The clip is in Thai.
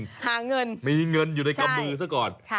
หาเงินใช่ใช่มีเงินอยู่ในกล้ามมือซะก่อน